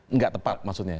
enggak tepat maksudnya ya